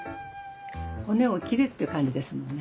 骨を切るっていう感じですもんね。